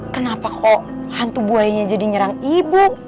kenapa kok hantu buayanya jadi nyerang ibu